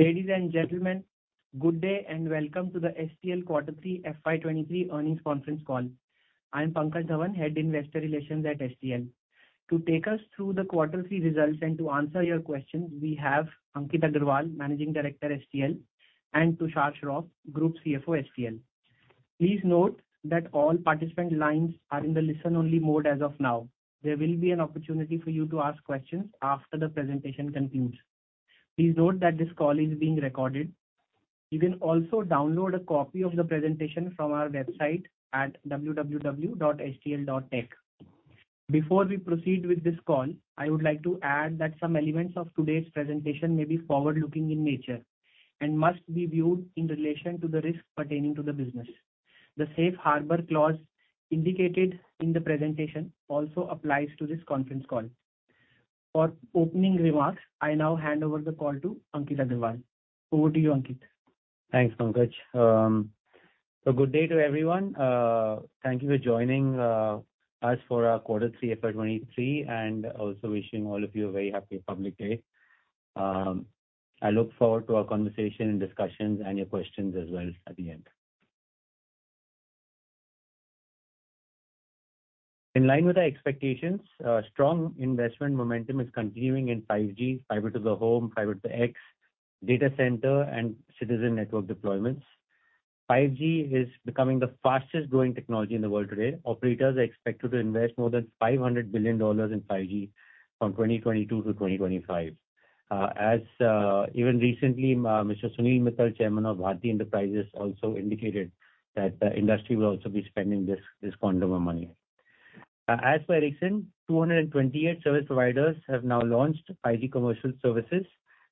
Ladies and gentlemen, good day and welcome to the STL Q3 FY 23 earnings conference call. I'm Pankaj Dhawan, Head of Investor Relations at STL. To take us through the quarter three results and to answer your questions, we have Ankit Agarwal, Managing Director, STL, and Tushar Shroff, Group CFO, STL. Please note that all participant lines are in the listen-only mode as of now. There will be an opportunity for you to ask questions after the presentation concludes. Please note that this call is being recorded. You can also download a copy of the presentation from our website at www.stl.tech. Before we proceed with this call, I would like to add that some elements of today's presentation may be forward-looking in nature and must be viewed in relation to the risk pertaining to the business. The safe harbor clause indicated in the presentation also applies to this conference call. For opening remarks, I now hand over the call to Ankit Agarwal. Over to you, Ankit. Thanks, Pankaj. Good day to everyone. Thank you for joining us for our quarter three FY23, and also wishing all of you a very happy Republic Day. I look forward to our conversation and discussions and your questions as well at the end. In line with our expectations, strong investment momentum is continuing in 5G, Fiber to the Home, Fiber to the X, data center, and citizen network deployments. 5G is becoming the fastest-growing technology in the world today. Operators are expected to invest more than $500 billion in 5G from 2022 to 2025. As even recently, Mr. Sunil Mittal, chairman of Bharti Enterprises, also indicated that the industry will also be spending this quantum of money. As for Ericsson, 228 service providers have now launched 5G commercial services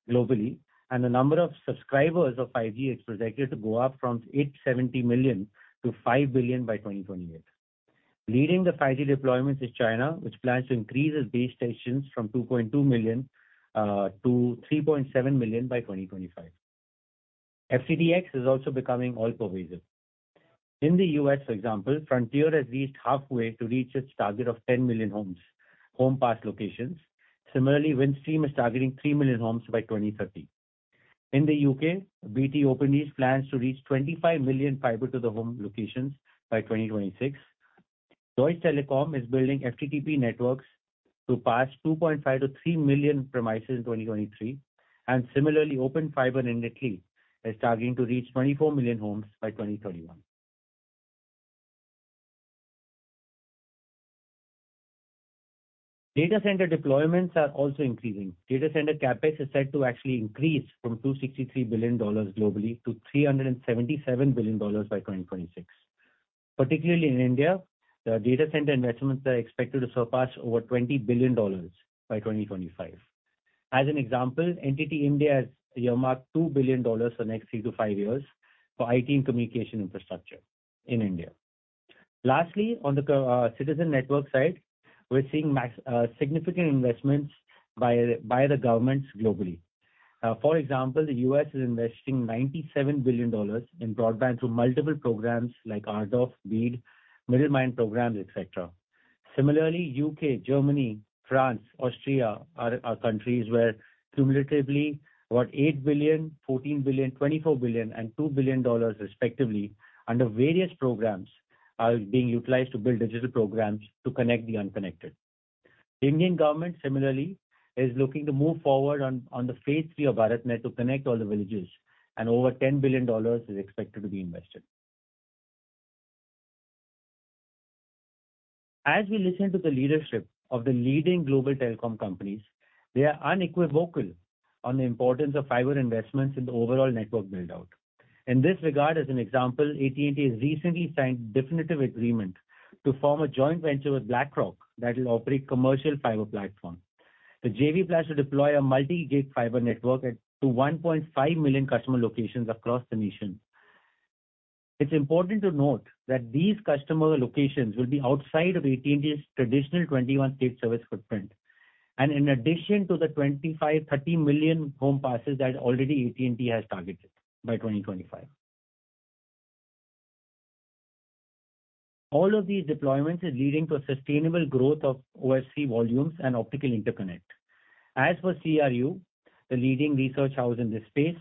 globally, the number of subscribers of 5G is projected to go up from 870 - 5 billion by 2028. Leading the 5G deployments is China, which plans to increase its base stations from 2.2- 3.7 million by 2025. FTTx is also becoming all-pervasive. In the US, for example, Frontier has reached halfway to reach its target of 10 million homes, home pass locations. Similarly, Windstream is targeting 3 million homes by 2030. In the UK, BT Openreach plans to reach 25 million fiber to the home locations by 2026. Deutsche Telekom is building FTTP networks to pass 2.5 -3 million premises in 2023. Similarly, Open Fiber in Italy is targeting to reach 24 million homes by 2031. Data center deployments are also increasing. Data center CapEx is set to actually increase from $263 billion globally to $377 billion by 2026. Particularly in India, the data center investments are expected to surpass over $20 billion by 2025. As an example, NTT India has earmarked $2 billion for next three to five years for IT and communication infrastructure in India. Lastly, on the citizen network side, we're seeing significant investments by the governments globally. For example, the U.S. is investing $97 billion in broadband through multiple programs like RDOF, BEAD, Middle Mile programs, et cetera. Similarly, U.K., Germany, France, Austria are countries where cumulatively, about $8 billion, $14 billion, $24 billion, and $2 billion respectively under various programs are being utilized to build digital programs to connect the unconnected. The Indian government similarly is looking to move forward on Phase three of BharatNet to connect all the villages. Over $10 billion is expected to be invested. We listen to the leadership of the leading global telecom companies. They are unequivocal on the importance of fiber investments in the overall network build-out. In this regard, as an example, AT&T has recently signed definitive agreement to form a joint venture with BlackRock that will operate commercial fiber platform. The JV plans to deploy a multi-gig fiber network to 1.5 million customer locations across the nation. It's important to note that these customer locations will be outside of AT&T's traditional 21 state service footprint. In addition to the 25-30 million home passes that already AT&T has targeted by 2025. All of these deployments is leading to a sustainable growth of OSC volumes and Optical Interconnect. As for CRU, the leading research house in this space,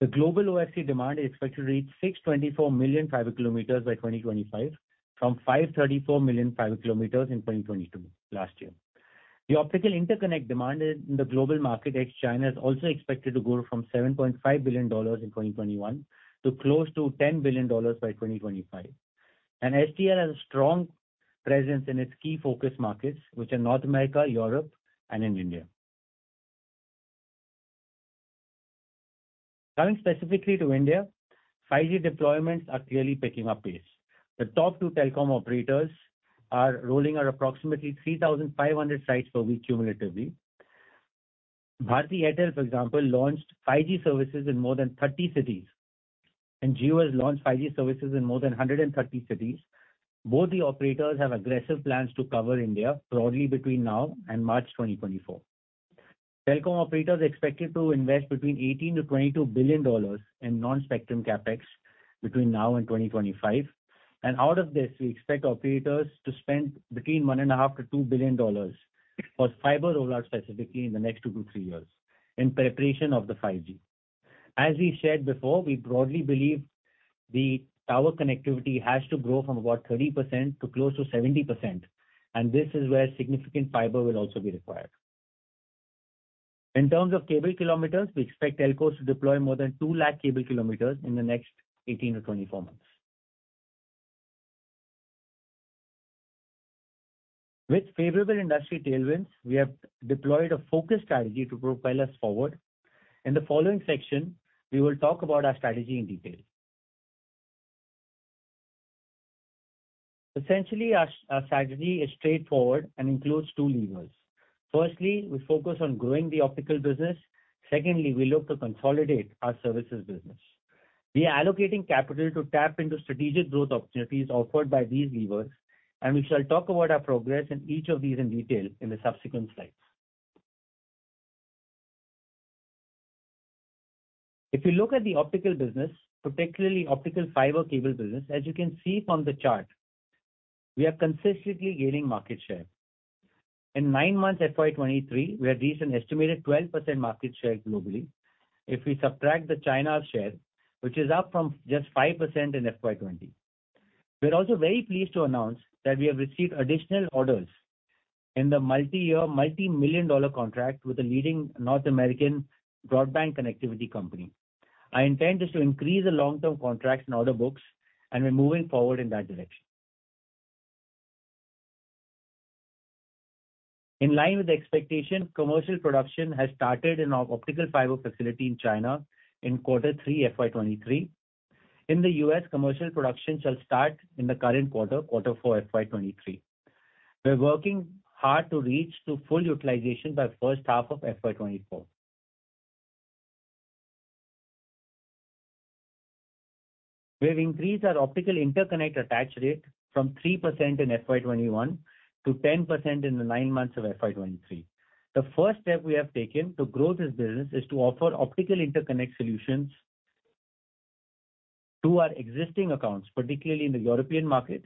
the global OSC demand is expected to reach 624 million fiber kilometers by 2025, from 534 million fiber kilometers in 2022, last year. The Optical Interconnect demand in the global market ex China is also expected to grow from $7.5 billion in 2021 to close to $10 billion by 2025. STL has a strong presence in its key focus markets, which are North America, Europe, and in India. Coming specifically to India, 5G deployments are clearly picking up pace. The top two telecom operators are rolling out approximately 3,500 sites per week cumulatively. Bharti Airtel, for example, launched 5G services in more than 30 cities, and Jio has launched 5G services in more than 130 cities. Both the operators have aggressive plans to cover India broadly between now and March 2024. Telecom operators are expected to invest between $18 -$22 billion in non-spectrum CapEx between now and 2025. Out of this, we expect operators to spend between $1.5 -$2 billion for fiber rollout, specifically in the next two to three years in preparation of the 5G. As we said before, we broadly believe the tower connectivity has to grow from about 30% to close to 70%. This is where significant fiber will also be required. In terms of cable kilometers, we expect telcos to deploy more than 2 lakh cable kilometers in the next 18-24 months. With favorable industry tailwinds, we have deployed a focused strategy to propel us forward. In the following section, we will talk about our strategy in detail. Essentially, our strategy is straightforward and includes two levers. Firstly, we focus on growing the optical business. Secondly, we look to consolidate our services business. We are allocating capital to tap into strategic growth opportunities offered by these levers, and we shall talk about our progress in each of these in detail in the subsequent slides. If you look at the optical business, particularly optical fiber cable business, as you can see from the chart, we are consistently gaining market share. In nine months FY 2023, we had reached an estimated 12% market share globally. If we subtract the China share, which is up from just 5% in FY 2020. We are also very pleased to announce that we have received additional orders in the multi-year, multi-million dollar contract with a leading North American broadband connectivity company. Our intent is to increase the long-term contracts and order books, and we're moving forward in that direction. In line with the expectation, commercial production has started in our optical fiber facility in China in Q3 FY 2023. In the U.S., commercial production shall start in the current quarter, Q4 FY 2023. We are working hard to reach to full utilization by first half of FY 2024. We have increased our optical interconnect attach rate from 3% in FY 2021 - 10% in the nine months of FY 2023. The first step we have taken to grow this business is to offer optical interconnect solutions to our existing accounts, particularly in the European market.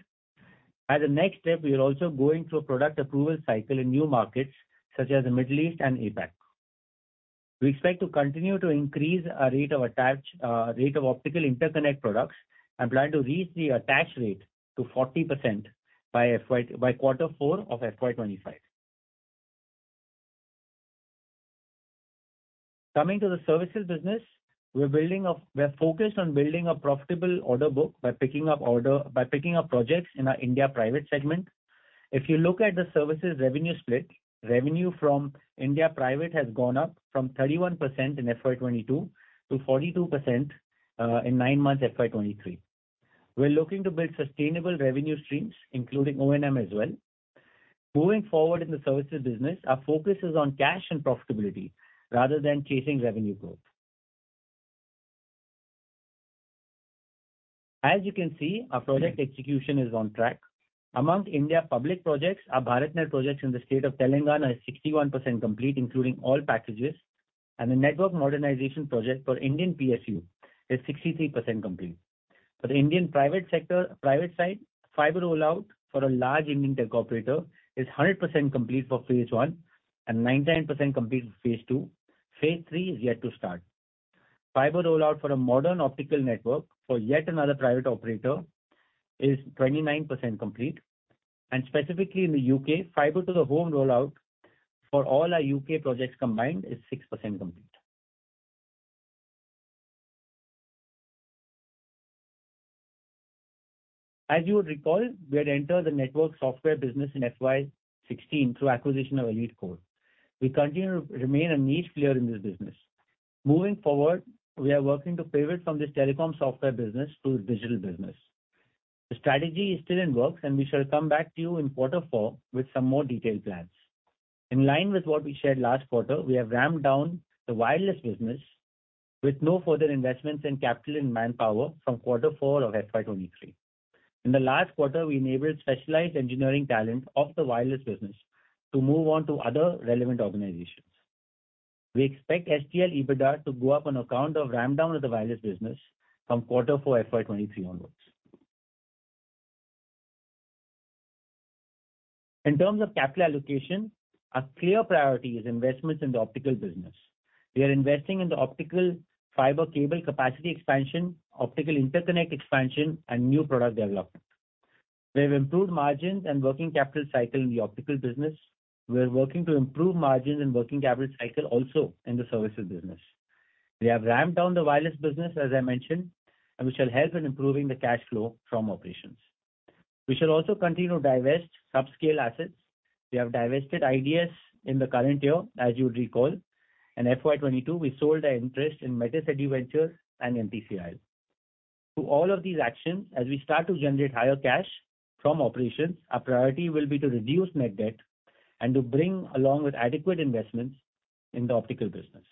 A next step, we are also going through a product approval cycle in new markets such as the Middle East and APAC. We expect to continue to increase our rate of optical interconnect products, and plan to reach the attach rate to 40% by Q4 of FY 2025. Coming to the services business, We're focused on building a profitable order book by picking up projects in our India private segment. If you look at the services revenue split, revenue from India private has gone up from 31% in FY 2022 to 42% in 9 months FY 2023. We are looking to build sustainable revenue streams including O&M as well. Moving forward in the services business, our focus is on cash and profitability rather than chasing revenue growth. As you can see, our project execution is on track. Among India public projects, our BharatNet projects in the state of Telangana is 61% complete, including all packages, and the network modernization project for Indian PSU is 63% complete. For the Indian private sector, private side, fiber rollout for a large Indian tech operator is 100% complete for phase one and 99% complete for phase two. Phase three is yet to start. Fiber rollout for a modern optical network for yet another private operator is 29% complete. Specifically in the U.K., Fiber to the Home rollout for all our U.K. projects combined is 6% complete. As you would recall, we had entered the network software business in FY16 through acquisition of Elitecore. We continue to remain a niche player in this business. Moving forward, we are working to pivot from this telecom software business to a digital business. The strategy is still in work, we shall come back to you in quarter four with some more detailed plans. In line with what we shared last quarter, we have ramped down the wireless business with no further investments in capital and manpower from quarter four of FY23. In the last quarter, we enabled specialized engineering talent of the wireless business to move on to other relevant organizations. We expect HCL EBITDA to go up on account of ramp down of the wireless business from quarter four FY 2023 onwards. In terms of capital allocation, our clear priority is investments in the optical business. We are investing in the optical fiber cable capacity expansion, optical interconnect expansion, and new product development. We have improved margins and working capital cycle in the optical business. We are working to improve margins and working capital cycle also in the services business. We have ramped down the wireless business, as I mentioned, and we shall help in improving the cash flow from operations. We shall also continue to divest subscale assets. We have divested IDS in the current year, as you would recall. In FY 22, we sold our interest in Metis Eduventures and MTCIL. Through all of these actions, as we start to generate higher cash from operations, our priority will be to reduce net debt and to bring along with adequate investments in the optical business.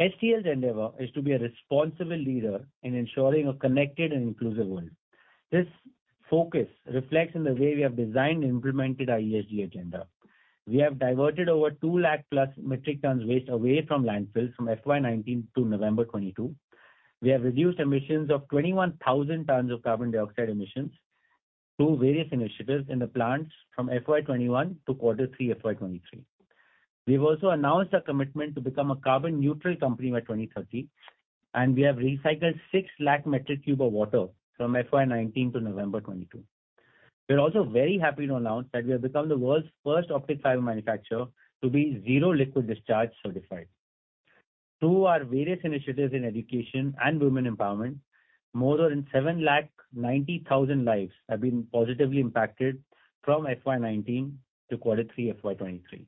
STL's endeavor is to be a responsible leader in ensuring a connected and inclusive world. This focus reflects in the way we have designed and implemented our ESG agenda. We have diverted over two lakh plus metric tons waste away from landfills from FY 19 to November 22. We have reduced emissions of 21,000 tons of carbon dioxide emissions through various initiatives in the plants from FY 21 to Q3 FY 23. We have also announced a commitment to become a carbon neutral company by 2030. We have recycled six lakh metric cube of water from FY 19 to November 22nd. We are also very happy to announce that we have become the world's first optical fiber manufacturer to be Zero Liquid Discharge certified. Through our various initiatives in education and women empowerment, more than 790,000 lives have been positively impacted from FY 2019 to Q3 FY 2023.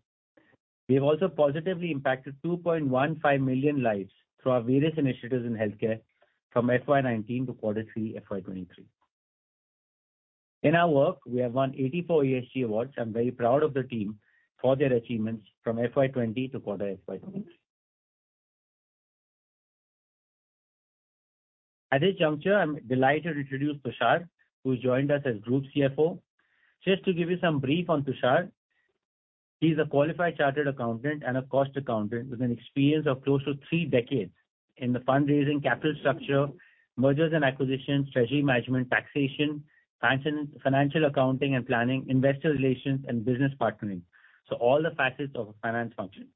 We have also positively impacted 2.15 million lives through our various initiatives in healthcare from FY 2019 to Q3 FY 2023. In our work, we have won 84 ESG awards. I'm very proud of the team for their achievements from FY 2020 to quarter FY 2023. At this juncture, I'm delighted to introduce Tushar, who's joined us as Group CFO. Just to give you some brief on Tushar. He's a qualified chartered accountant and a cost accountant with an experience of close to three decades in the fundraising, capital structure, mergers and acquisitions, treasury management, taxation, financial accounting and planning, investor relations, and business partnering. All the facets of a finance function.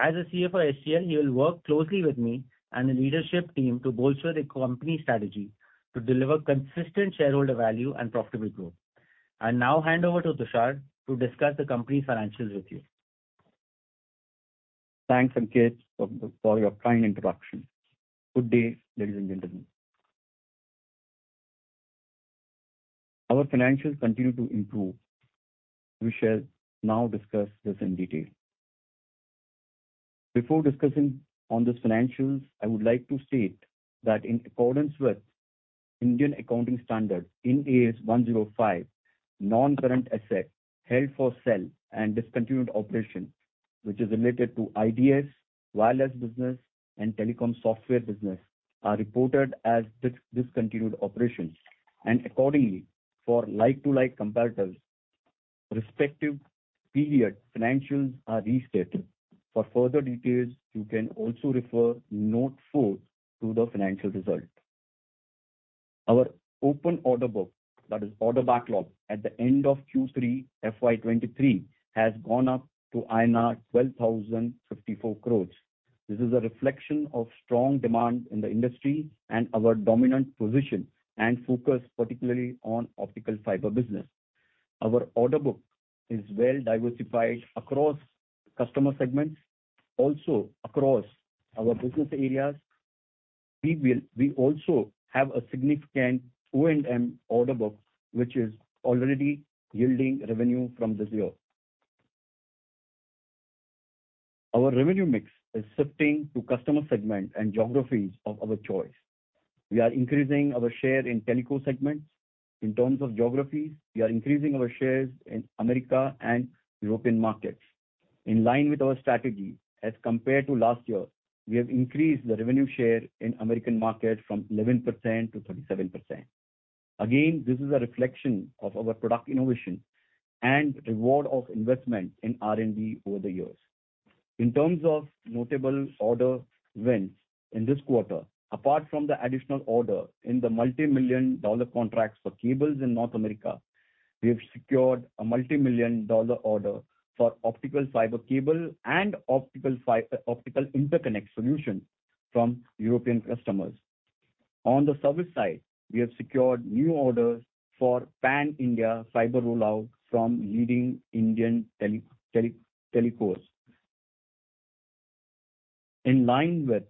As a CFO STL, he will work closely with me and the leadership team to bolster the company strategy to deliver consistent shareholder value and profitable growth. I now hand over to Tushar to discuss the company financials with you. Thanks, Ankit, for your kind introduction. Good day, ladies and gentlemen. Our financials continue to improve. We shall now discuss this in detail. Before discussing on these financials, I would like to state that in accordance with Indian accounting standards, Ind AS 105, non-current assets held for sale and discontinued operation, which is related to IDS, wireless business, and telecom software business, are reported as discontinued operations. Accordingly, for like-to-like comparators, respective period financials are restated. For further details, you can also refer note four to the financial results. Our open order book, that is order backlog, at the end of Q3 FY 2023 has gone up to INR 12,054 crores. This is a reflection of strong demand in the industry and our dominant position and focus particularly on optical fiber business. Our order book is well diversified across customer segments, also across our business areas. We also have a significant O&M order book, which is already yielding revenue from this year. Our revenue mix is shifting to customer segment and geographies of our choice. We are increasing our share in telco segments. In terms of geographies, we are increasing our shares in America and European markets. In line with our strategy, as compared to last year, we have increased the revenue share in American market from 11% to 37%. Again, this is a reflection of our product innovation and reward of investment in R&D over the years. In terms of notable order wins in this quarter, apart from the additional order in the multimillion-dollar contracts for cables in North America, we have secured a multimillion-dollar order for optical fiber cable and optical interconnect solution from European customers. On the service side, we have secured new orders for pan-India fiber rollout from leading Indian telecos. In line with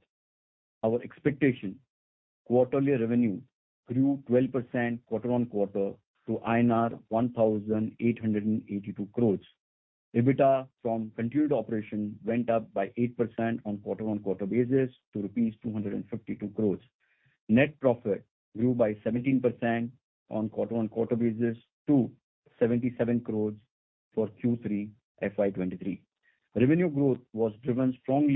our expectation, quarterly revenue grew 12% quarter-on-quarter to INR 1,882 crores. EBITDA from continued operation went up by 8% on quarter-on-quarter basis to rupees 252 crores. Net profit grew by 17% on quarter-on-quarter basis to 77 crores for Q3 FY 2023. Revenue growth was driven strong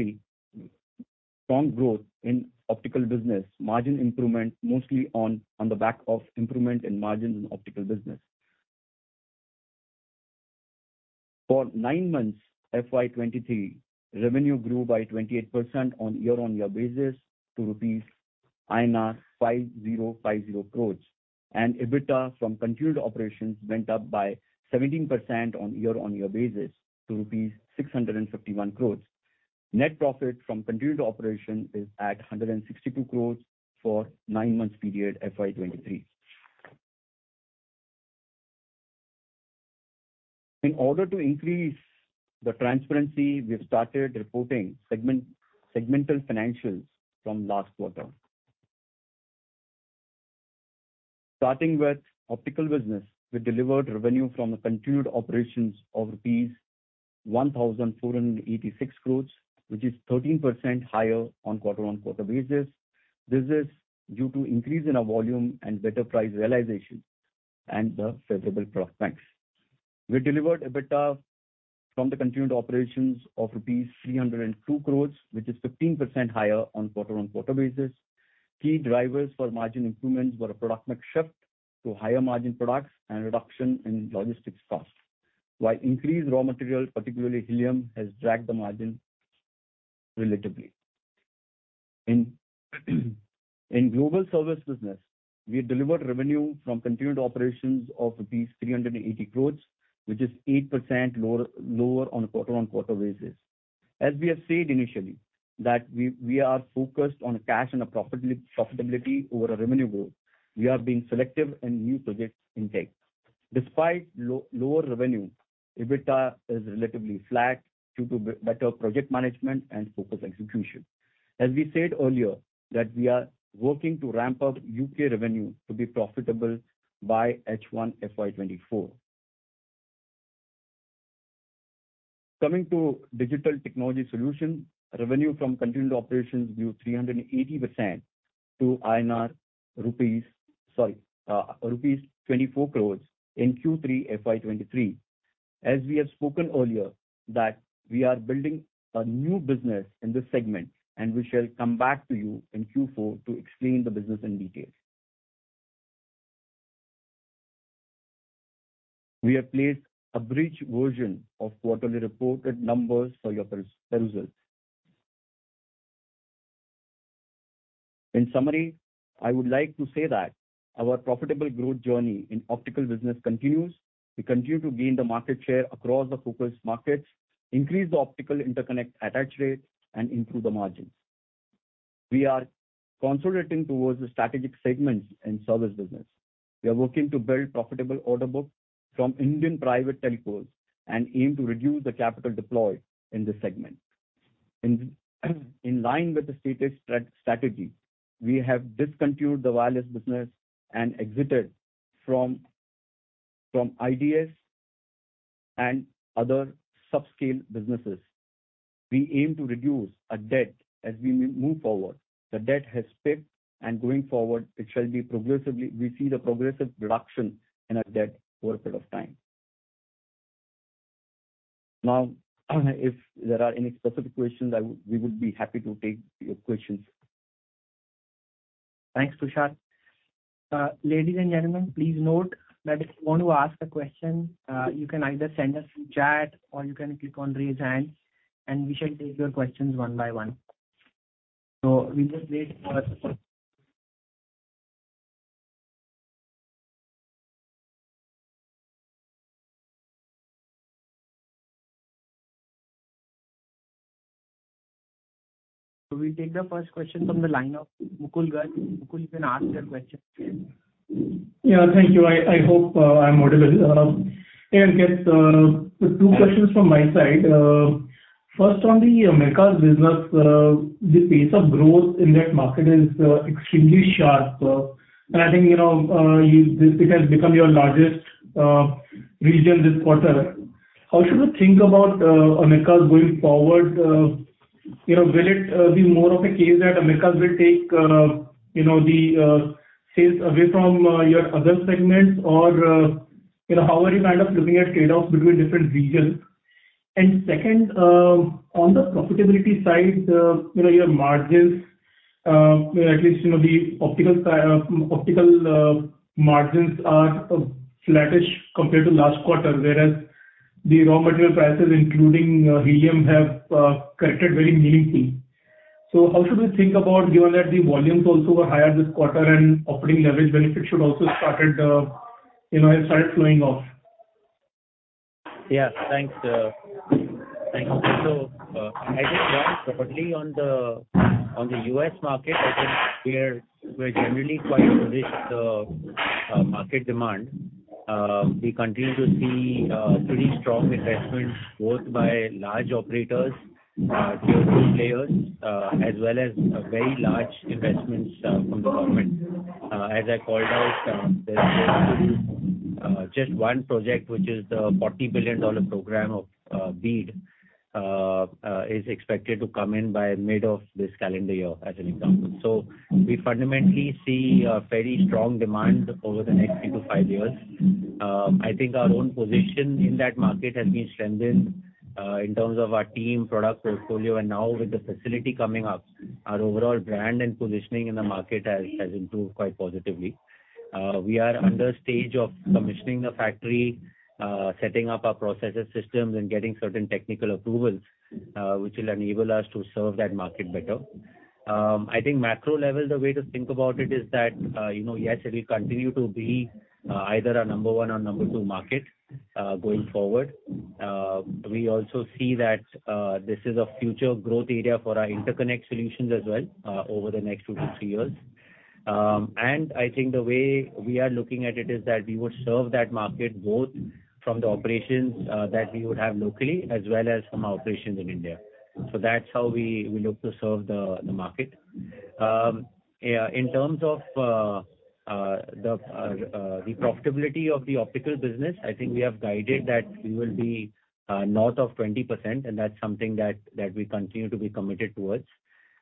growth in optical business. Margin improvement mostly on the back of improvement in margin in optical business. For nine months FY23, revenue grew by 28% on a year-on-year basis to rupees 5,050 crores. EBITDA from continued operations went up by 17% on a year-on-year basis to rupees 651 crores. Net profit from continued operation is at 162 crores for nine months period FY23. In order to increase the transparency, we've started reporting segmental financials from last quarter. Starting with optical business, we delivered revenue from the continued operations of rupees 1,486 crores, which is 13% higher on a quarter-on-quarter basis. This is due to increase in our volume and better price realization and the favorable product mix. We delivered EBITDA from the continued operations of rupees 302 crores, which is 15% higher on a quarter-on-quarter basis. Key drivers for margin improvements were a product mix shift to higher margin products and reduction in logistics costs. While increased raw materials, particularly helium, has dragged the margin relatively. In global service business, we delivered revenue from continued operations of 380 crores, which is 8% lower on a quarter-on-quarter basis. We have said initially that we are focused on cash and profitability over a revenue growth. We are being selective in new projects intake. Despite lower revenue, EBITDA is relatively flat due to better project management and focused execution. We said earlier that we are working to ramp up U.K. revenue to be profitable by H1 FY 2024. Coming to digital technology solution, revenue from continued operations grew 380%. Sorry, INR 24 crores in Q3 FY 2023. As we have spoken earlier, that we are building a new business in this segment, and we shall come back to you in Q4 to explain the business in detail. We have placed a brief version of quarterly reported numbers for your perusal. In summary, I would like to say that our profitable growth journey in optical business continues. We continue to gain the market share across the focused markets, increase the optical interconnect attach rate, and improve the margins. We are consolidating towards the strategic segments in service business. We are working to build profitable order book from Indian private telcos and aim to reduce the capital deployed in this segment. In line with the stated strategy, we have discontinued the wireless business and exited from IDS and other subscale businesses. We aim to reduce our debt as we move forward. The debt has peaked and going forward it shall be we see the progressive reduction in our debt over a period of time. Now, if there are any specific questions, we would be happy to take your questions. Thanks, Tushar. Ladies and gentlemen, please note that if you want to ask a question, you can either send us in chat or you can click on Raise Hand, and we shall take your questions one by one. We'll take the first question from the line of Mukul Garg. Mukul, you can ask your question. Yeah. Thank you. I hope, I'm audible. Hey, Ankit. Two questions from my side. First, on the Americas business, the pace of growth in that market is extremely sharp. I think, you know, it has become your largest region this quarter. How should we think about Americas going forward? You know, will it be more of a case that Americas will take, you know, the sales away from your other segments? You know, how are you kind of looking at trade-offs between different regions? Second, on the profitability side, you know, your margins, at least you know, the optical margins are flattish compared to last quarter, whereas the raw material prices, including helium, have corrected very meaningfully. How should we think about, given that the volumes also were higher this quarter and operating leverage benefit, you know, have started flowing off? Thanks, thank you. I think broadly on the U.S. market, I think we're generally quite bullish on market demand. We continue to see pretty strong investments both by large operators, tier two players, as well as very large investments from the government. As I called out, there's going to be just one project, which is the $40 billion program of BEAD, is expected to come in by mid of this calendar year, as an example. We fundamentally see a very strong demand over the next three to five years. I think our own position in that market has been strengthened, in terms of our team, product portfolio, and now with the facility coming up, our overall brand and positioning in the market has improved quite positively. We are under stage of commissioning the factory, setting up our processes systems, and getting certain technical approvals, which will enable us to serve that market better. I think macro level, the way to think about it is that, you know, yes, it will continue to be either our number one or number two market going forward. We also see that this is a future growth area for our interconnect solutions as well, over the next two to three years. I think the way we are looking at it is that we would serve that market both from the operations that we would have locally as well as from our operations in India. That's how we look to serve the market. In terms of the profitability of the optical business, I think we have guided that we will be north of 20%, that's something that we continue to be committed towards.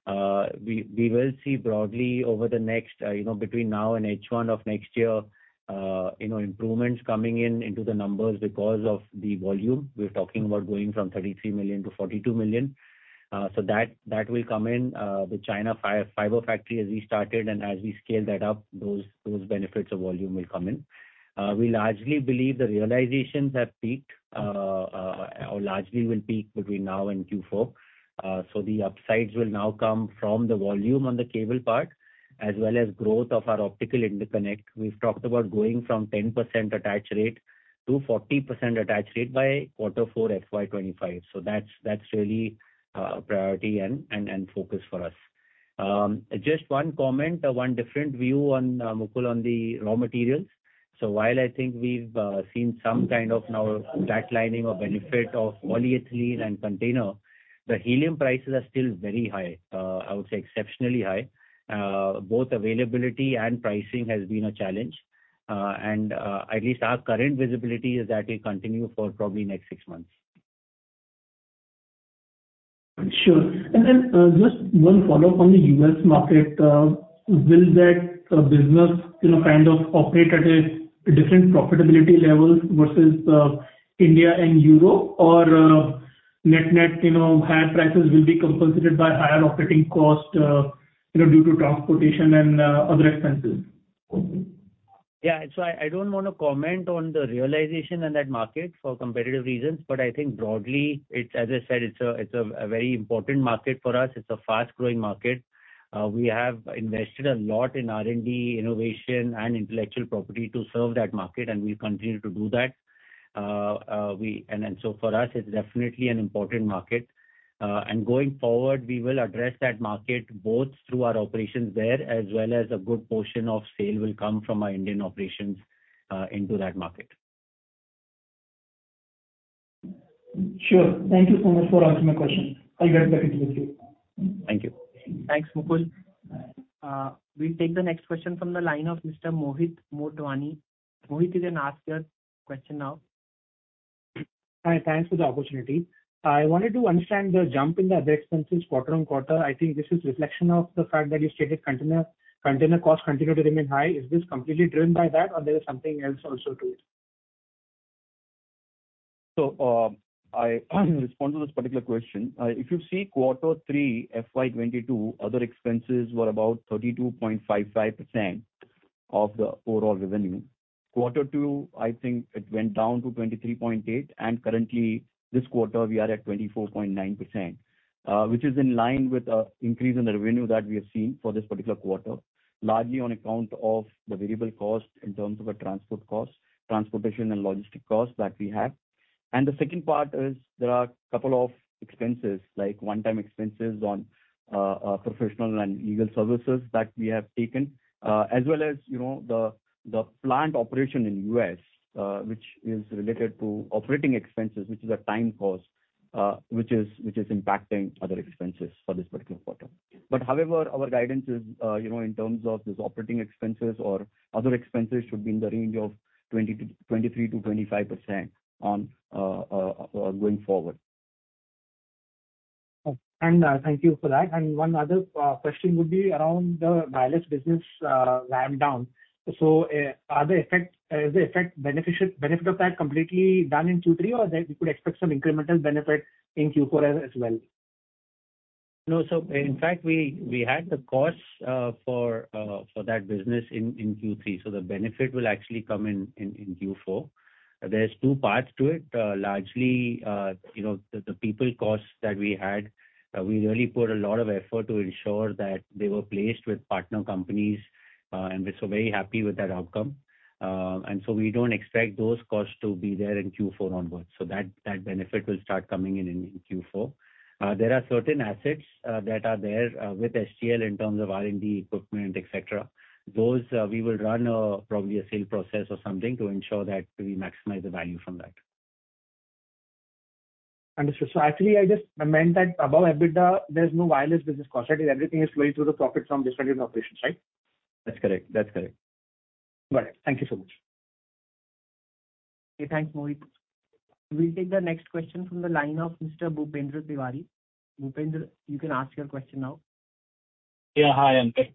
We will see broadly over the next, you know, between now and H1 of next year, you know, improvements coming into the numbers because of the volume. We're talking about going from 33 - 42 million. That will come in with China fber factory as we started, and as we scale that up, those benefits of volume will come in. We largely believe the realizations have peaked or largely will peak between now and Q4. The upsides will now come from the volume on the cable part as well as growth of our Optical Interconnect. We've talked about going from 10% attach rate to 40% attach rate by Q4 FY 2025. That's really a priority and focus for us. Just one comment or one different view on Mukul, on the raw materials. While I think we've seen some kind of now flatlining of benefit of polyethylene and container, the helium prices are still very high, I would say exceptionally high. Both availability and pricing has been a challenge. And at least our current visibility is that it'll continue for probably next six months. Sure. Just one follow-up on the U.S. market. Will that business, you know, kind of operate at a different profitability level versus, India and Europe? Net, net, you know, higher prices will be compensated by higher operating cost, you know, due to transportation and, other expenses? Yeah. I don't want to comment on the realization in that market for competitive reasons, but I think broadly it's as I said, it's a very important market for us. It's a fast-growing market. We have invested a lot in R&D, innovation and intellectual property to serve that market, and we continue to do that. For us, it's definitely an important market. Going forward, we will address that market both through our operations there as well as a good portion of sale will come from our Indian operations into that market. Sure. Thank you so much for answering my questions. I'll get back into the queue. Thank you. Thanks, Mukul. We'll take the next question from the line of Mr. Mohit Motwani. Mohit, you can ask your question now. Hi. Thanks for the opportunity. I wanted to understand the jump in the other expenses quarter-on-quarter. I think this is reflection of the fact that you stated container costs continue to remain high. Is this completely driven by that or there is something else also to it? I respond to this particular question. If you see Q3 FY22, other expenses were about 32.55% of the overall revenue. Q2, I think it went down to 23.8%, and currently this quarter we are at 24.9%, which is in line with increase in the revenue that we have seen for this particular quarter, largely on account of the variable cost in terms of the transport costs, transportation and logistics costs that we have. The second part is there are a couple of expenses, like one-time expenses on professional and legal services that we have taken as well as, you know, the plant operation in U.S. which is related to OpEx, which is a time cost which is impacting other expenses for this particular quarter. However, our guidance is, you know, in terms of these OpEx or other expenses should be in the range of 23%-25% on going forward. Thank you for that. One other question would be around the wireless business ramp down. Is the effect benefit of that completely done in Q3, or that we could expect some incremental benefit in Q4 as well? No. In fact, we had the costs for that business in Q3. The benefit will actually come in Q4. There's two parts to it. Largely, you know, the people costs that we had, we really put a lot of effort to ensure that they were placed with partner companies, and we're so very happy with that outcome. We don't expect those costs to be there in Q4 onwards. That benefit will start coming in Q4. There are certain assets that are there with STL in terms of R&D equipment, et cetera. Those we will run probably a sale process or something to ensure that we maximize the value from that. Understood. actually I just meant that above EBITDA, there's no wireless business cost. Everything is flowing through the profits from distributed operations, right? That's correct. That's correct. Got it. Thank you so much. Okay, thanks, Mohit. We'll take the next question from the line of Mr. Bhupendra Tiwari. Bhupendra, you can ask your question now. Yeah. Hi, Ankit.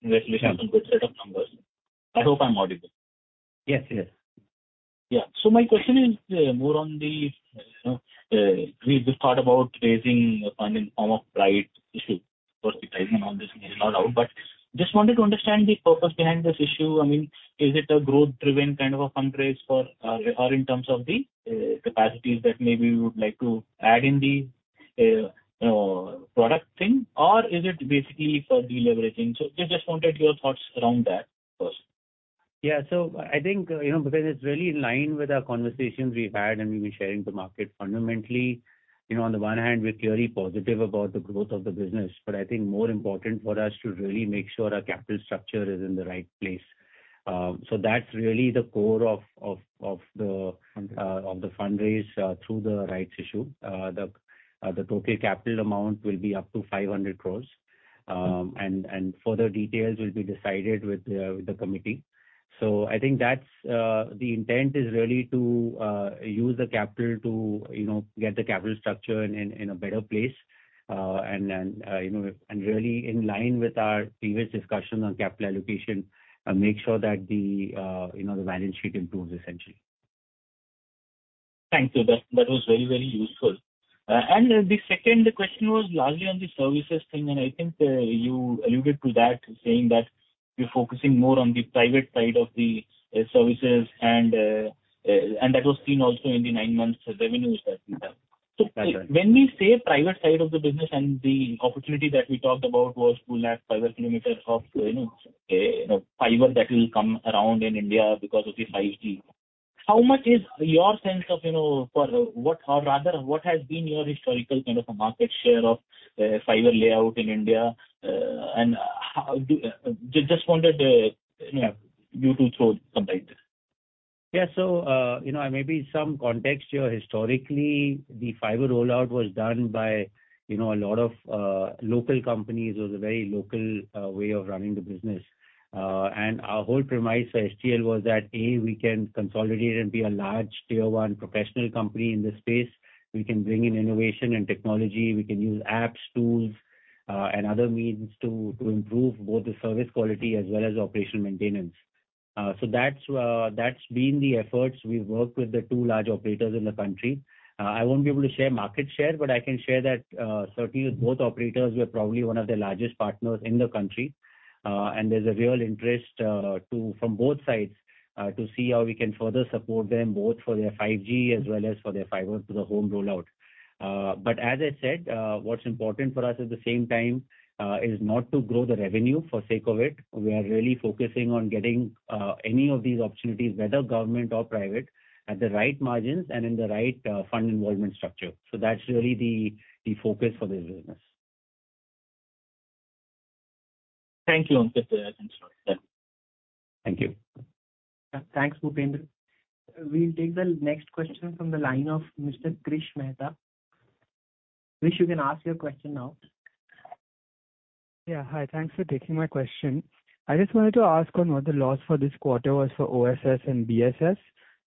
congratulations on good set of numbers. I hope I'm audible. Yes. Yes. Yeah. My question is, more on the, you know, read this part about raising fund in form of rights issue. Of course, the timing on this is not out, but just wanted to understand the purpose behind this issue. I mean, is it a growth driven kind of a fundraise for, or in terms of the capacities that maybe you would like to add in the product thing? Is it basically for deleveraging? Just wanted your thoughts around that first. Yeah. I think, you know, because it's really in line with our conversations we've had and we've been sharing the market fundamentally. You know, on the one hand, we're clearly positive about the growth of the business, but I think more important for us to really make sure our capital structure is in the right place. That's really the core. Fund raise. Of the fund raise through the rights issue. The total capital amount will be up to 500 crores. Further details will be decided with the committee. I think that's the intent is really to use the capital to, you know, get the capital structure in a better place. Then, you know, and really in line with our previous discussion on capital allocation, make sure that the balance sheet improves essentially. Thank you. That was very, very useful. The second question was largely on the services thing, and I think, you alluded to that saying that you're focusing more on the private side of the services and that was seen also in the nine months revenues that we have. That's right. When we say private side of the business and the opportunity that we talked about was two lakh fiber kilometers of, you know, fiber that will come around in India because of the 5G. How much is your sense of, you know, Or rather, what has been your historical kind of a market share of, fiber layout in India? And Just wanted, you know, you to throw some light. Yeah. you know, maybe some context here. Historically, the fiber rollout was done by, you know, a lot of local companies. It was a very local way of running the business. And our whole premise for HTL was that, A, we can consolidate and be a large tier one professional company in this space. We can bring in innovation and technology. We can use apps, tools, and other means to improve both the service quality as well as operational maintenance. So that's that's been the efforts. We've worked with the two large operators in the country. I won't be able to share market share, but I can share that certainly with both operators, we're probably one of the largest partners in the country. And there's a real interest to... from both sides, to see how we can further support them both for their 5G as well as for their Fiber to the Home rollout. As I said, what's important for us at the same time, is not to grow the revenue for sake of it. We are really focusing on getting any of these opportunities, whether government or private, at the right margins and in the right fund involvement structure. That's really the focus for this business. Thank you. That's, that's all, sir. Thank you. Yeah. Thanks, Bhupendra. We'll take the next question from the line of Mr. Krish Mehta. Krish, you can ask your question now. Yeah. Hi. Thanks for taking my question. I just wanted to ask on what the loss for this quarter was for OSS and BSS,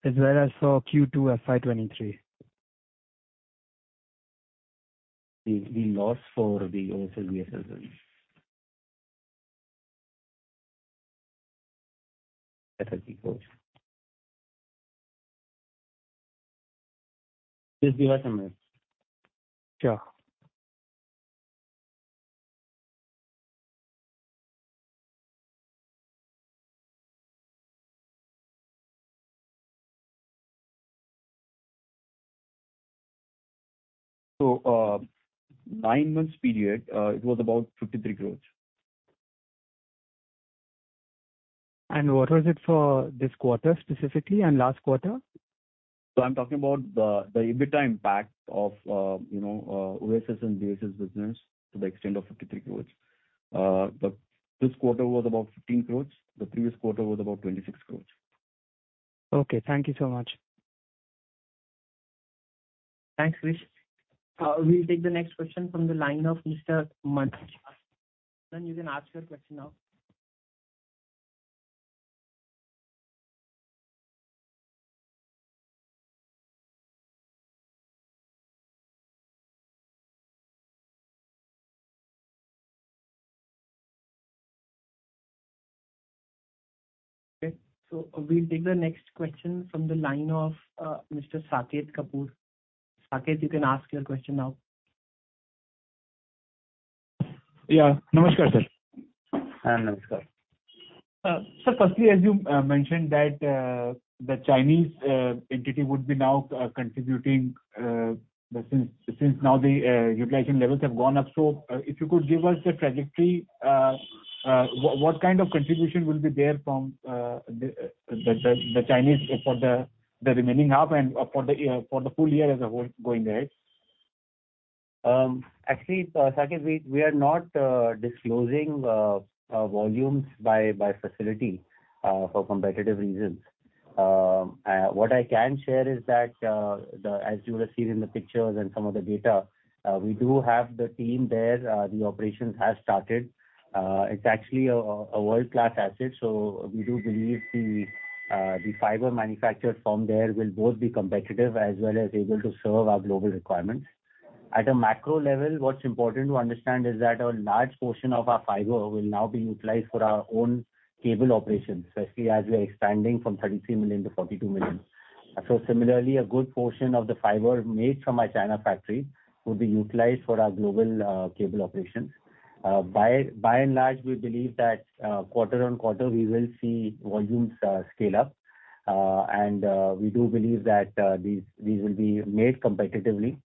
as well as for Q2 FY 2023. The loss for the OSS and BSS business. That will be gross. Just give us a minute. Sure. Nine months period, it was about 53 crores. What was it for this quarter specifically and last quarter? I'm talking about the EBITDA impact of, you know, OSS and BSS business to the extent of 53 crores. This quarter was about 15 crores. The previous quarter was about 26 crores. Okay. Thank you so much. Thanks, Krish. We'll take the next question from the line of Mr. Manoj. Manoj, you can ask your question now. Okay. We'll take the next question from the line of Mr. Saket Kapoor. Saket, you can ask your question now. Yeah. Namaskar, sir. Hi. Namaskar. Sir, firstly, as you mentioned that the Chinese entity would be now contributing since now the utilization levels have gone up. If you could give us the trajectory, what kind of contribution will be there from the Chinese for the remaining half and for the full year as a whole going ahead? Actually, Saket, we are not disclosing volumes by facility for competitive reasons. What I can share is that as you would have seen in the pictures and some of the data, we do have the team there. The operations have started. It's actually a world-class asset, so we do believe the fiber manufactured from there will both be competitive as well as able to serve our global requirements. At a macro level, what's important to understand is that a large portion of our fiber will now be utilized for our own cable operations, especially as we are expanding from 33 -42 million. Similarly, a good portion of the fiber made from our China factory will be utilized for our global cable operations. By and large, we believe that, quarter on quarter we will see volumes, scale up. We do believe that, these will be made competitively.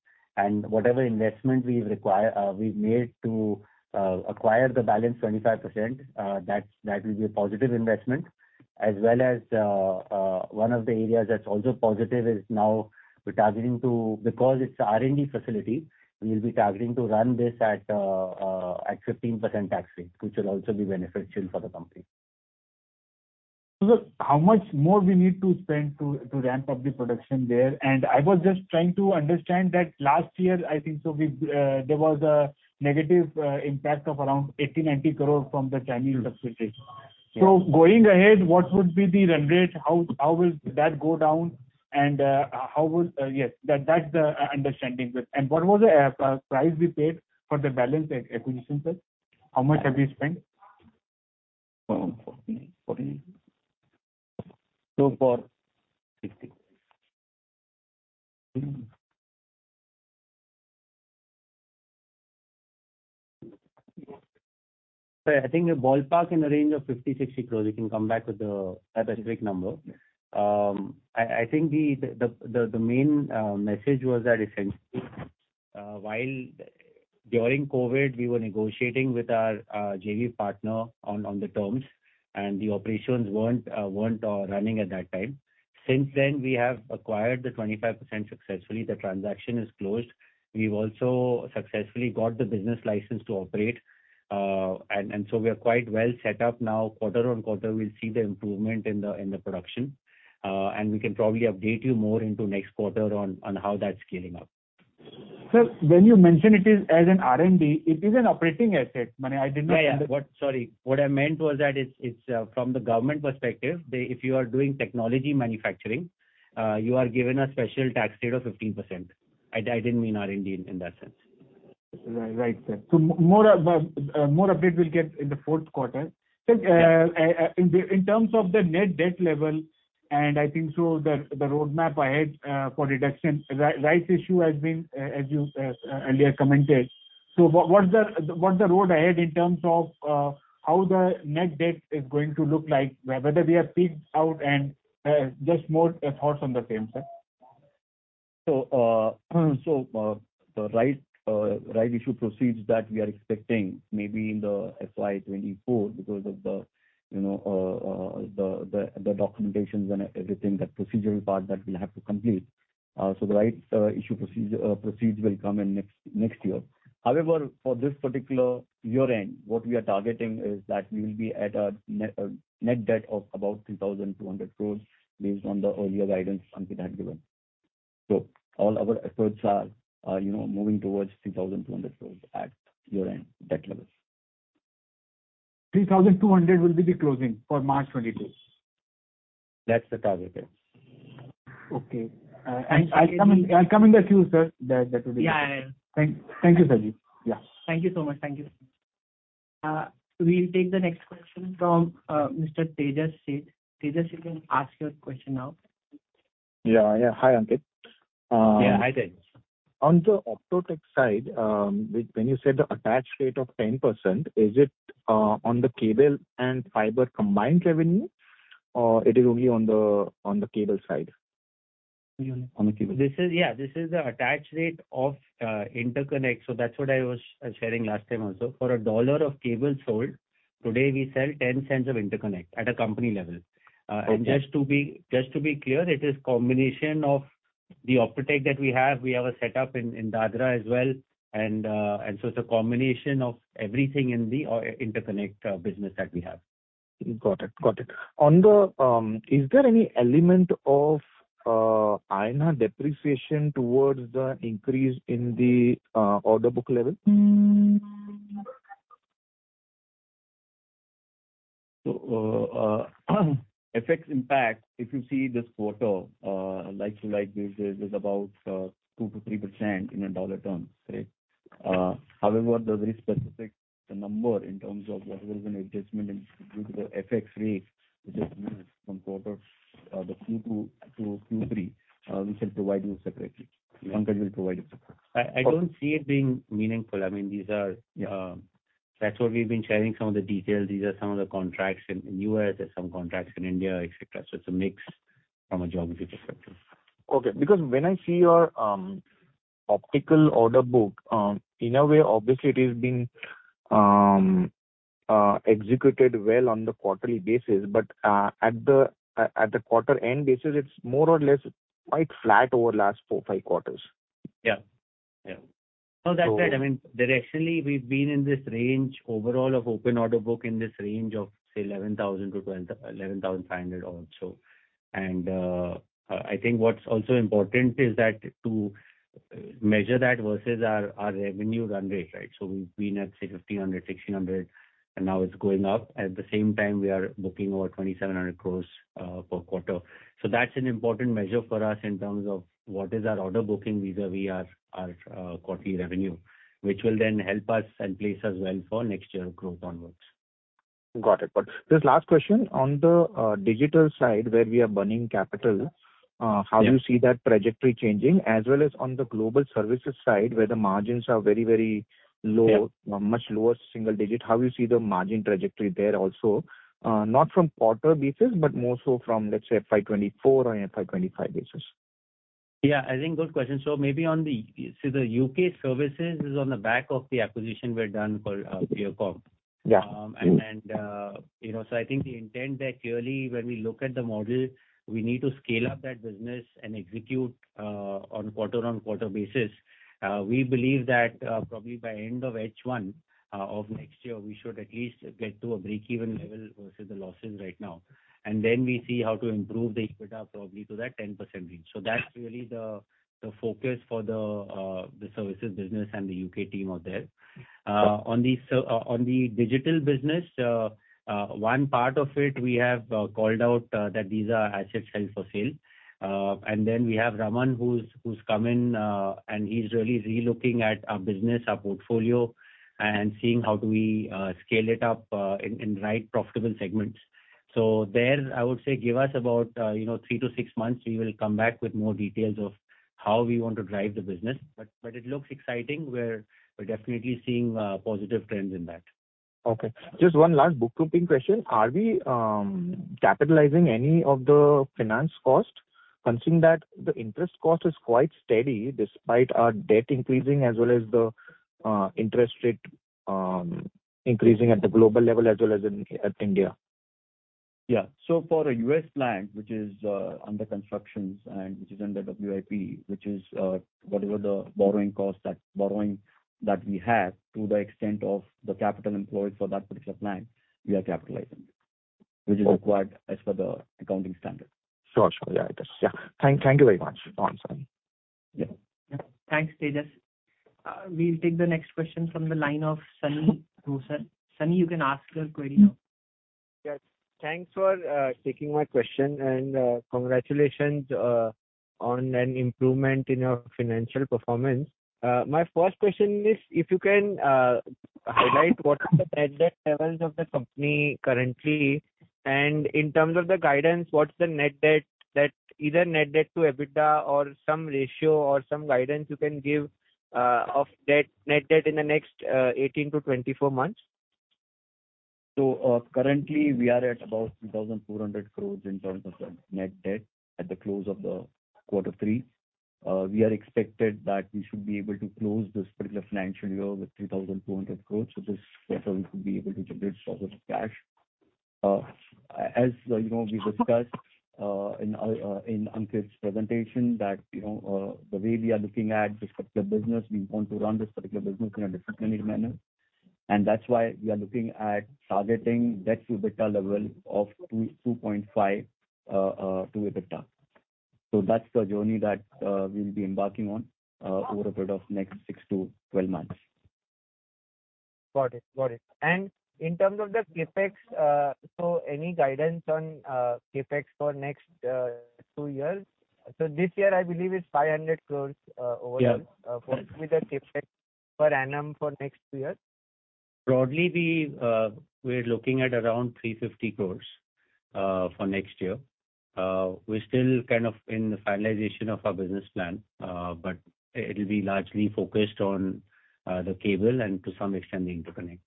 Whatever investment we require, we've made to acquire the balance 25%, that will be a positive investment. As well as, one of the areas that's also positive is now we're targeting to... Because it's a R&D facility, we'll be targeting to run this at 15% tax rate, which will also be beneficial for the company. How much more we need to spend to ramp up the production there? I was just trying to understand that last year, I think so we've, there was a negative impact of around 80-90 crores from the Chinese subsidiary. Yes. Going ahead, what would be the run rate? How will that go down? Yes. That's the understanding. What was the price we paid for the balance acquisition, sir? How much have we spent? INR 14, INR 14. INR 2.50. Sir, I think the ballpark in the range of 50-60 crores. We can come back with the, a specific number. I think the main message was that essentially, while during COVID we were negotiating with our JV partner on the terms, and the operations weren't running at that time. Since then, we have acquired the 25% successfully. The transaction is closed. We've also successfully got the business license to operate. We are quite well set up now. Quarter-on-quarter we'll see the improvement in the production. And we can probably update you more into next quarter on how that's scaling up. Sir, when you mention it is as an R&D, it is an operating asset. I mean, I did not. Yeah, yeah. What I meant was that it's from the government perspective, if you are doing technology manufacturing, you are given a special tax rate of 15%. I didn't mean R&D in that sense. Right, sir. more update we'll get in the fourth quarter. Sir, in terms of the net debt level, and I think so the roadmap ahead for reduction. Right, rights issue has been as you earlier commented. What's the road ahead in terms of how the net debt is going to look like? Whether we are peaked out and just more thoughts on the same, sir. The right issue proceeds that we are expecting maybe in the FY 2024 because of the, you know, the documentations and everything, the procedural part that we'll have to complete. The rights issue proceeds will come in next year. However, for this particular year-end, what we are targeting is that we will be at a net debt of about 3,200 crore based on the earlier guidance Ankit had given. All our efforts are, you know, moving towards 3,200 crore at year-end debt levels. 3,200 will be the closing for March 2022? That's the target, yes. Okay. I'll come in with you, sir. That will be great. Yeah, yeah. Thank you, Ankit. Yeah. Thank you so much. Thank you. We'll take the next question from Mr. Tejas Sheth. Tejas, you can ask your question now. Yeah, yeah. Hi, Ankit. Yeah. Hi, Tejas. On the Optotec side, when you said the attach rate of 10%, is it on the cable and fiber combined revenue, or it is only on the, on the cable side? On the cable. This is, yeah, this is the attach rate of interconnect. That's what I was sharing last time also. For a $1 of cable sold, today we sell $0.10 of interconnect at a company level. Okay. Just to be clear, it is combination of the Optotec that we have. We have a setup in Dadra as well. It's a combination of everything in the interconnect business that we have. Got it. Got it. On the, is there any element of INA depreciation towards the increase in the order book level? FX impact, if you see this quarter, like to like basis is about 2% -3% in dollar terms, right. However, the very specific number in terms of whatever is an adjustment due to the FX rate, which is minus from quarter, the Q2 to Q3, we shall provide you separately. Ankit Agarwal will provide you separately. Okay. I don't see it being meaningful. I mean, that's what we've been sharing some of the details. These are some of the contracts in U.S., there's some contracts in India, et cetera. It's a mix from a geography perspective. Okay. When I see your optical order book, in a way, obviously it is being executed well on the quarterly basis, but at the quarter end basis, it's more or less quite flat over last four, five quarters. Yeah. Yeah. No, that's right. I mean, directionally, we've been in this range overall of open order book in this range of, say, 11,000-11,500 or so. I think what's also important is that to measure that versus our revenue run rate, right? We've been at say 1,500, 1,600, and now it's going up. At the same time, we are booking over 2,700 crores per quarter. That's an important measure for us in terms of what is our order booking vis-a-vis our quarterly revenue, which will then help us and place us well for next year growth onwards. Got it. Just last question. On the digital side, where we are burning capital-. Yeah. How do you see that trajectory changing, as well as on the global services side, where the margins are very, very low? Yeah. much lower single digit. How you see the margin trajectory there also? Not from quarter basis, but more so from, let's say, FY24 and FY25 basis. Yeah, I think good question. See, the U.K. services is on the back of the acquisition we've done for Clearcomm. Yeah. You know, I think the intent there clearly when we look at the model, we need to scale up that business and execute on quarter on quarter basis. We believe that probably by end of H1 of next year, we should at least get to a break-even level versus the losses right now. Then we see how to improve the EBITDA probably to that 10% range. That's really the focus for the services business and the UK team out there. On the digital business, one part of it we have called out that these are assets held for sale. We have Raman who's come in, and he's really relooking at our business, our portfolio, and seeing how do we scale it up in right profitable segments. There, I would say give us about, you know, three to six months, we will come back with more details of how we want to drive the business. It looks exciting. We're definitely seeing positive trends in that. Okay. Just one last book dropping question. Are we, capitalizing any of the finance costs, considering that the interest cost is quite steady despite our debt increasing as well as the interest rate, increasing at the global level as well as in, at India? Yeah. For a U.S. plant, which is under constructions and which is under WIP, which is, whatever the borrowing cost that we have to the extent of the capital employed for that particular plant, we are capitalizing, which is required as per the accounting standard. Sure. Sure. Yeah. I guess. Yeah. Thank you very much, Awesome. Yeah. Thanks, Tejas. We'll take the next question from the line of Sunny Gosar. Sunny, you can ask your query now. Yes. Thanks for taking my question and congratulations on an improvement in your financial performance. My first question is if you can highlight what are the net debt levels of the company currently, and in terms of the guidance, what's the net debt that either net debt to EBITDA or some ratio or some guidance you can give of debt, net debt in the next 18-24 months. Currently we are at about 3,400 crores in terms of the net debt at the close of the quarter three. We are expected that we should be able to close this particular financial year with 3,200 crores. This quarter we should be able to generate sources of cash. As, you know, we discussed in Ankit's presentation that, you know, the way we are looking at this particular business, we want to run this particular business in a disciplinary manner. That's why we are looking at targeting debt to EBITDA level of 2-2.5 to EBITDA. That's the journey that we'll be embarking on over a period of next 6-12 months. Got it. In terms of the CapEx, any guidance on CapEx for next two years? This year I believe it's 500 crores overall. Yeah. What will be the CapEx per annum for next year? Broadly, we're looking at around 350 crores for next year. We're still kind of in the finalization of our business plan, but it will be largely focused on the cable and to some extent the interconnect.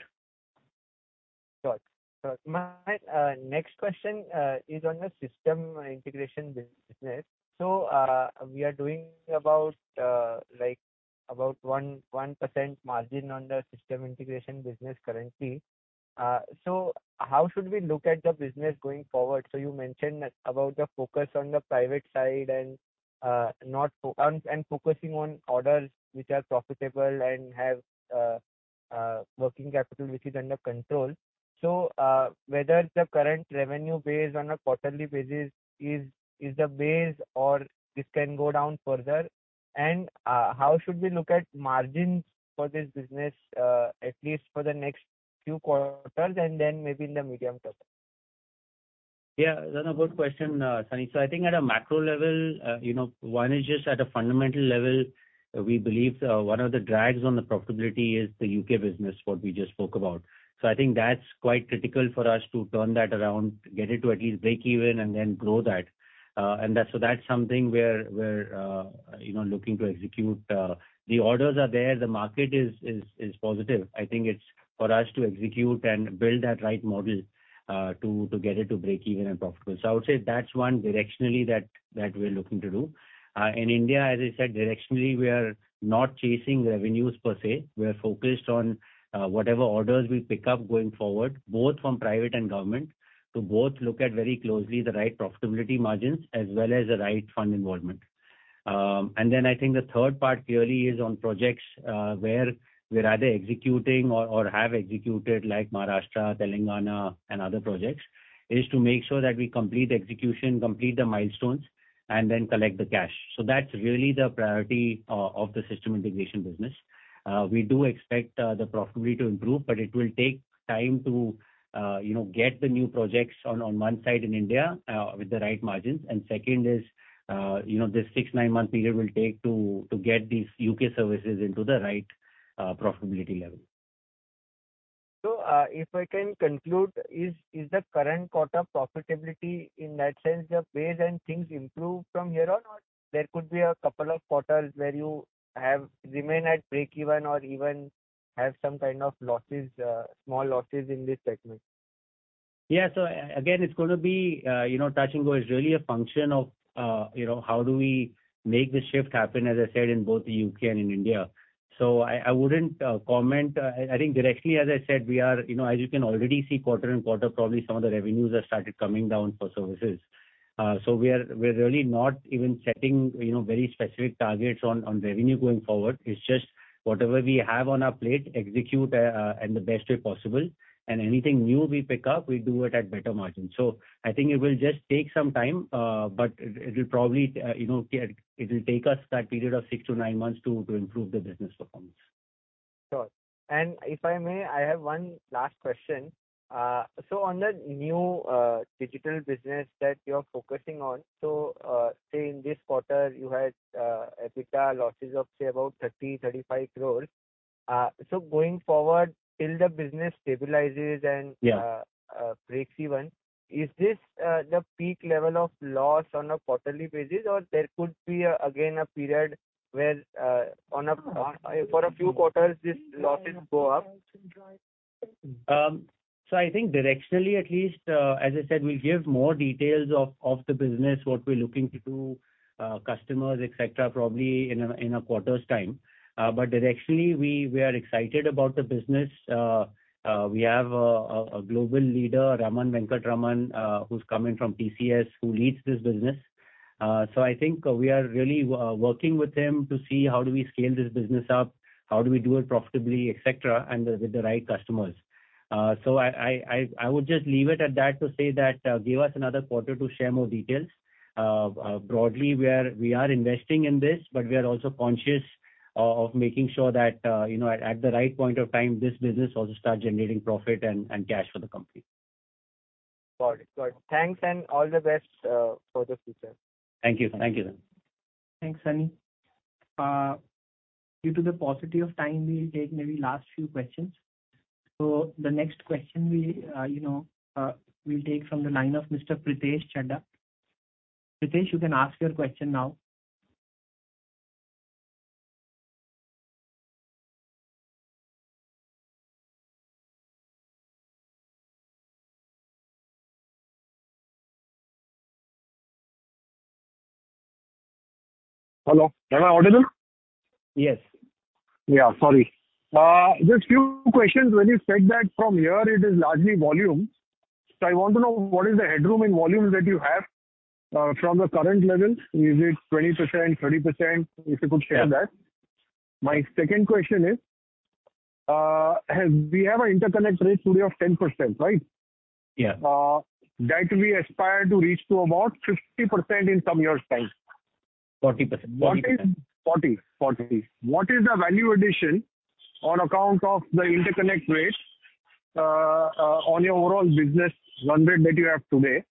Got it. Got it. My next question is on the system integration business. We are doing about like about 1% margin on the system integration business currently. How should we look at the business going forward? You mentioned about the focus on the private side and focusing on orders which are profitable and have working capital which is under control. Whether the current revenue base on a quarterly basis is the base or this can go down further? And how should we look at margins for this business, at least for the next few quarters and then maybe in the medium term? Yeah. That's a good question, Sunny. I think at a macro level, you know, one is just at a fundamental level, we believe, one of the drags on the profitability is the UK business, what we just spoke about. I think that's quite critical for us to turn that around, get it to at least break even and then grow that. And that's something we're, you know, looking to execute. The orders are there. The market is positive. I think it's for us to execute and build that right model, to get it to break even and profitable. I would say that's one directionally that we're looking to do. In India, as I said, directionally, we are not chasing revenues per se. We are focused on whatever orders we pick up going forward, both from private and government, to both look at very closely the right profitability margins as well as the right fund involvement. I think the third part clearly is on projects where we're either executing or have executed like Maharashtra, Telangana and other projects, is to make sure that we complete the execution, complete the milestones, and then collect the cash. That's really the priority of the system integration business. We do expect the profitability to improve, but it will take time to, you know, get the new projects on one side in India with the right margins. Second is, you know, this six -to- nine-month period will take to get these UK services into the right profitability level. If I can conclude, is the current quarter profitability in that sense the base and things improve from here on, or there could be a couple of quarters where you have remain at breakeven or even have some kind of losses, small losses in this segment? Yeah. again, it's going to be, you know, touch and go. It's really a function of, you know, how do we make the shift happen, as I said, in both the UK and in India. I wouldn't comment. I think directionally, as I said, we are, you know, as you can already see quarter and quarter, probably some of the revenues have started coming down for services. We are, we're really not even setting, you know, very specific targets on revenue going forward. It's just whatever we have on our plate, execute in the best way possible, and anything new we pick up, we do it at better margins. I think it will just take some time, but it will probably, you know, it will take us that period of six to nine months to improve the business performance. Sure. If I may, I have one last question. On the new digital business that you're focusing on, say in this quarter, you had EBITDA losses of, say, about 30-35 crores. Going forward till the business stabilizes. Yeah. breakeven, is this the peak level of loss on a quarterly basis, or there could be again a period where, on a for a few quarters this losses go up? I think directionally, at least, as I said, we'll give more details of the business, what we're looking to do, customers, et cetera, probably in a quarter's time. Directionally, we are excited about the business. We have a global leader, Raman Venkataraman, who's coming from TCS, who leads this business. I think we are really working with him to see how do we scale this business up, how do we do it profitably, et cetera, and with the right customers. I would just leave it at that to say that give us another quarter to share more details. Broadly, we are investing in this, but we are also conscious of making sure that, you know, at the right point of time, this business also starts generating profit and cash for the company. Got it. Thanks and all the best for the future. Thank you. Thank you. Thanks, Sunny. Due to the paucity of time, we'll take maybe last few questions. The next question we, you know, we'll take from the line of Mr. Pritesh Chheda. Pritesh, you can ask your question now. Hello, am I audible? Yes. Yeah, sorry. Just few questions. When you said that from here it is largely volume, I want to know what is the headroom in volume that you have from the current level? Is it 20%, 30%? If you could share that. Yeah. My second question is, we have an interconnect rate today of 10%, right? Yeah. That we aspire to reach to about 50% in some years' time. 40%. 40. What is the value addition on account of the interconnect rates on your overall business run rate that you have today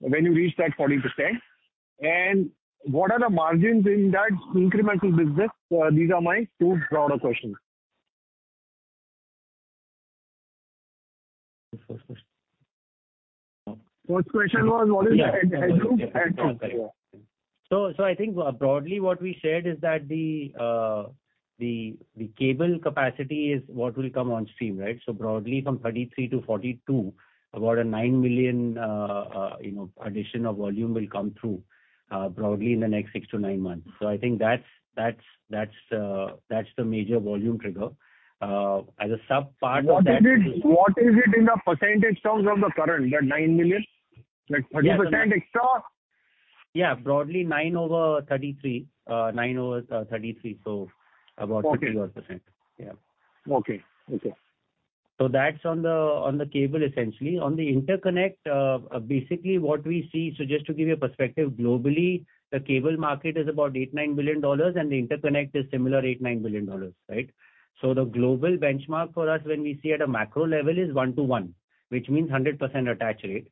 when you reach that 40%? What are the margins in that incremental business? These are my two broader questions. First question. First question was what is the headroom and. I think broadly what we said is that the cable capacity is what will come on stream, right. Broadly from 33-42, about a 9 million, you know, addition of volume will come through, broadly in the next six to nine months. I think that's the major volume trigger. As a sub-part of that. What is it, what is it in a percentage terms of the current, that 9 million? Like 30% extra? Yeah. Broadly nine over thirty-three, nine over thirty-three. About 30 odd %. Okay. Yeah. Okay. Okay. That's on the, on the cable, essentially. On the interconnect, basically what we see, just to give you a perspective, globally, the cable market is about $8 -$9 billion, and the interconnect is similar, $8 -$9 billion, right? The global benchmark for us when we see at a macro level is one to one, which means 100% attach rate.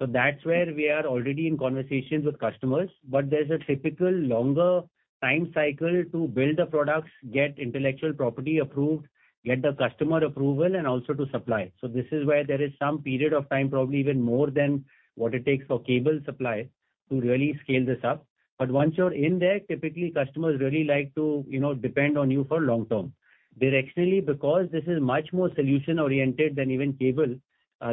That's where we are already in conversations with customers. There's a typical longer time cycle to build the products, get intellectual property approved, get the customer approval, and also to supply. This is where there is some period of time, probably even more than what it takes for cable supply to really scale this up. Once you're in there, typically customers really like to, you know, depend on you for long term. Directionally, because this is much more solution-oriented than even cable,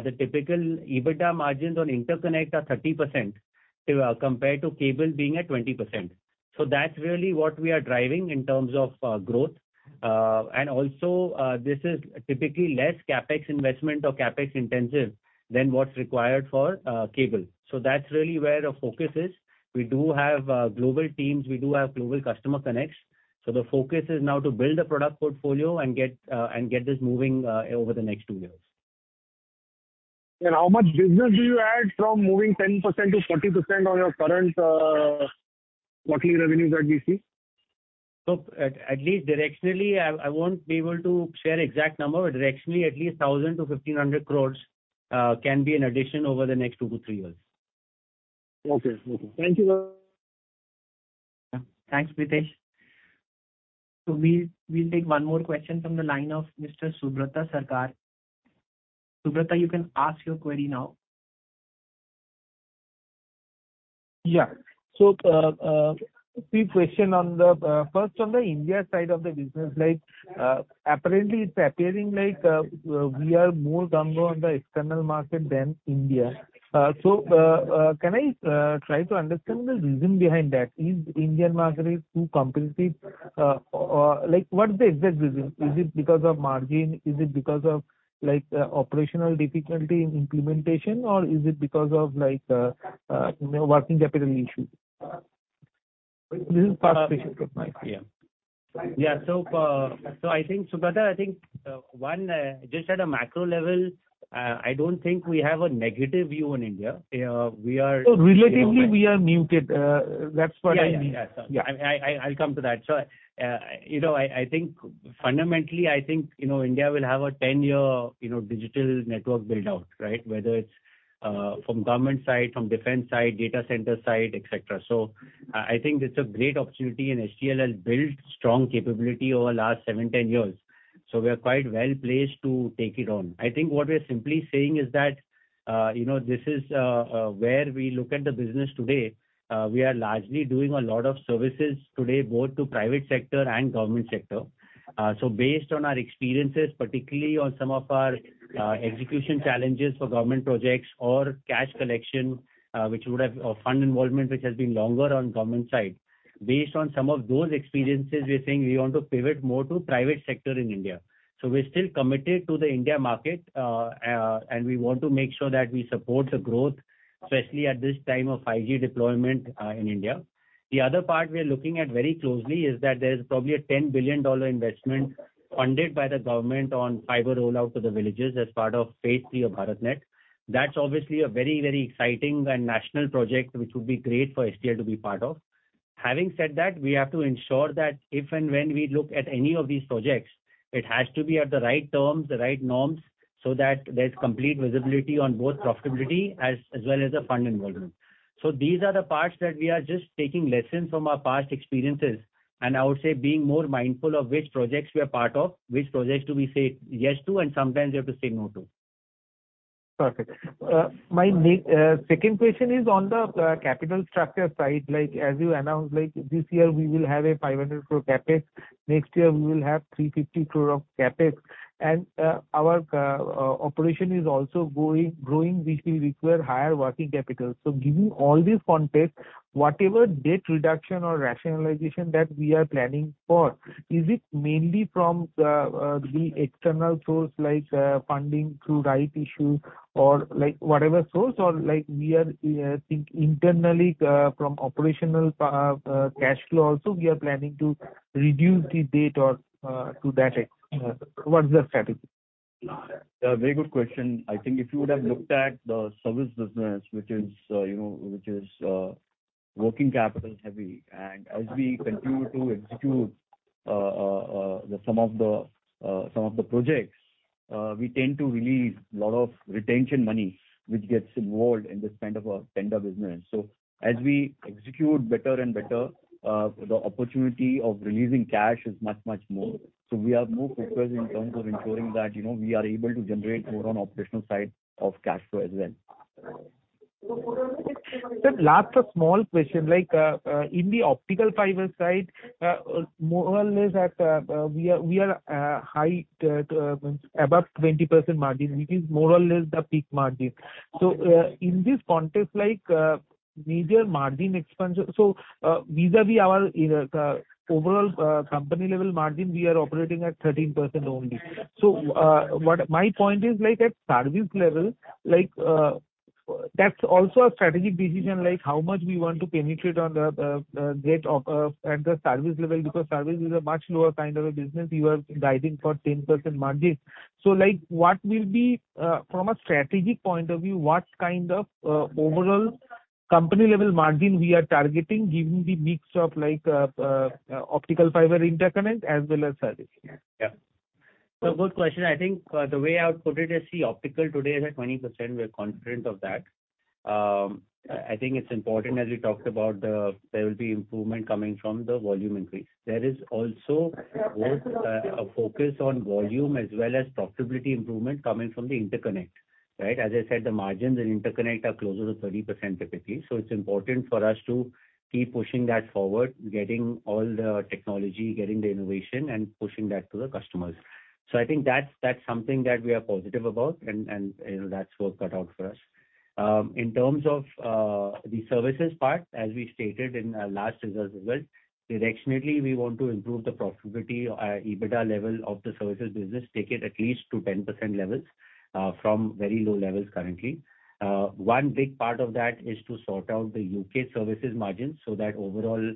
the typical EBITDA margins on interconnect are 30%, compared to cable being at 20%. That's really what we are driving in terms of growth. And also, this is typically less CapEx investment or CapEx intensive than what's required for cable. That's really where the focus is. We do have global teams. We do have global customer connects. The focus is now to build a product portfolio and get and get this moving over the next two years. How much business do you add from moving 10% - 40% on your current, quarterly revenues that we see? At least directionally, I won't be able to share exact number, but directionally, at least 1,000-1,500 crores can be an addition over the next two to three years. Okay. Okay. Thank you. Thanks, Pritesh. We'll take one more question from the line of Mr. Subrata Sarkar. Subrata, you can ask your query now. Yeah. Three question on the first, on the India side of the business. Like, apparently it's appearing like, we are more stronger on the external market than India. Can I try to understand the reason behind that? Is Indian market is too competitive? Like, what's the exact reason? Is it because of margin? Is it because of, like, operational difficulty in implementation, or is it because of like, you know, working capital issue? This is first question of mine. Yeah. Yeah. I think, Subrata, I think, one, just at a macro level, I don't think we have a negative view on India. Relatively we are muted. That's what I mean. Yeah, yeah. I'll come to that. you know, I think fundamentally, I think, you know, India will have a 10-year, you know, digital network build-out, right? Whether it's from government side, from defense side, data center side, et cetera. I think it's a great opportunity and STL has built strong capability over last seven, 10 years, we are quite well placed to take it on. I think what we're simply saying is that, you know, this is where we look at the business today, we are largely doing a lot of services today, both to private sector and government sector. Based on our experiences, particularly on some of our execution challenges for government projects or cash collection, which would have a fund involvement which has been longer on government side. Based on some of those experiences, we are saying we want to pivot more to private sector in India. We're still committed to the India market, and we want to make sure that we support the growth, especially at this time of 5G deployment in India. The other part we are looking at very closely is that there's probably a $10 billion investment funded by the government on fiber rollout to the villages as part of phase three of BharatNet. That's obviously a very, very exciting and national project which would be great for STL to be part of. Having said that, we have to ensure that if and when we look at any of these projects, it has to be at the right terms, the right norms, so that there's complete visibility on both profitability as well as the fund involvement. These are the parts that we are just taking lessons from our past experiences, and I would say being more mindful of which projects we are part of, which projects do we say yes to, and sometimes we have to say no to. Perfect. My second question is on the capital structure side. Like, as you announced, like this year, we will have a 500 crore CapEx. Next year we will have 350 crore of CapEx. Our operation is also growing, which will require higher working capital. Given all this context, whatever debt reduction or rationalization that we are planning for, is it mainly from the external source, like, funding through right issue or like whatever source or like we are, I think internally, from operational cash flow also we are planning to reduce the debt or to that extent. What's the strategy? Yeah, very good question. I think if you would have looked at the service business, which is, you know, which is working capital heavy. As we continue to execute the some of the some of the projects, we tend to release lot of retention money which gets involved in this kind of a tender business. As we execute better and better, the opportunity of releasing cash is much, much more. We are more focused in terms of ensuring that, you know, we are able to generate more on operational side of cash flow as well. Sir, last a small question. Like, in the optical fiber side, more or less at, we are high, above 20% margin, which is more or less the peak margin. In this context, like, major margin expansion. Vis-à-vis our, you know, overall, company level margin, we are operating at 13% only. My point is like at service level, like, that's also a strategic decision, like how much we want to penetrate on the gate of, at the service level, because service is a much lower kind of a business. You are guiding for 10% margins. like, what will be from a strategic point of view, what kind of overall company level margin we are targeting given the mix of like, optical fiber interconnect as well as services? Good question. I think the way I would put it is, see, optical today is at 20%. We are confident of that. I think it's important as we talked about, there will be improvement coming from the volume increase. There is also both a focus on volume as well as profitability improvement coming from the interconnect, right? As I said, the margins in interconnect are closer to 30% typically. It's important for us to keep pushing that forward, getting all the technology, getting the innovation and pushing that to the customers. I think that's something that we are positive about and, you know, that's work cut out for us. In terms of the services part, as we stated in our last results as well, directionally we want to improve the profitability, EBITDA level of the services business, take it at least to 10% levels from very low levels currently. One big part of that is to sort out the UK services margins so that overall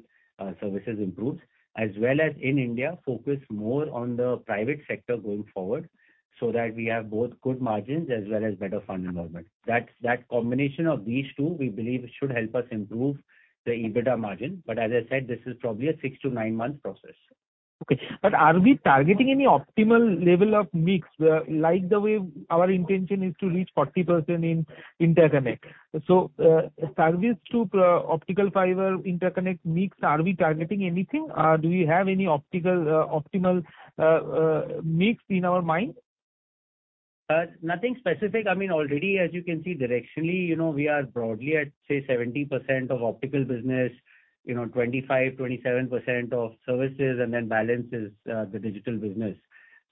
services improves as well as in India, focus more on the private sector going forward so that we have both good margins as well as better fund involvement. That combination of these two we believe should help us improve the EBITDA margin. As I said, this is probably a six to nine month process. Okay. are we targeting any optimal level of mix, like the way our intention is to reach 40% in interconnect? service to optical fiber interconnect mix, are we targeting anything? Do we have any optical, optimal, mix in our mind? Nothing specific. I mean, already as you can see directionally, you know, we are broadly at, say 70% of optical business, you know, 25%-27% of services, and then balance is the digital business.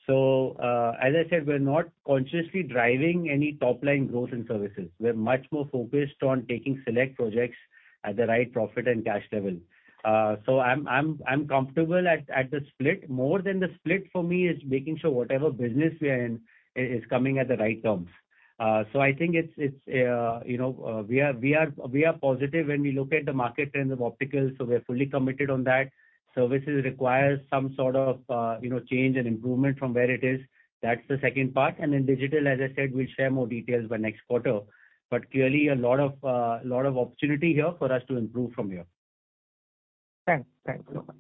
As I said, we're not consciously driving any top-line growth in services. We're much more focused on taking select projects at the right profit and cash level. I'm comfortable at the split. More than the split for me is making sure whatever business we are in is coming at the right terms. I think it's, you know, we are positive when we look at the market trends of optical, so we are fully committed on that. Services requires some sort of, you know, change and improvement from where it is. That's the second part. Then digital, as I said, we'll share more details by next quarter. Clearly a lot of opportunity here for us to improve from here. Thanks. Thanks a lot.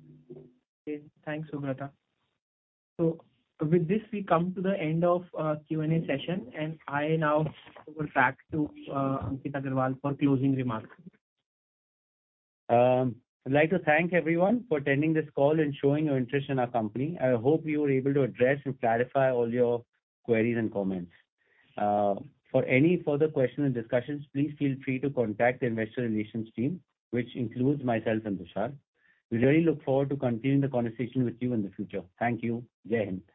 Okay. Thanks, Subrata. With this, we come to the end of Q&A session, and I now hand over back to Ankit Agarwal for closing remarks. I'd like to thank everyone for attending this call and showing your interest in our company. I hope we were able to address and clarify all your queries and comments. For any further questions and discussions, please feel free to contact the investor relations team, which includes myself and Tushar. We really look forward to continuing the conversation with you in the future. Thank you. Jai Hind.